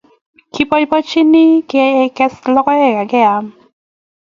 Kipoipoenchini keges logoek ak keam